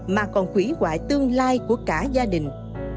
mà còn khủy hoại tương lai của cả gia đình